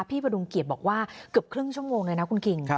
พดุงเกียจบอกว่าเกือบครึ่งชั่วโมงเลยนะคุณคิง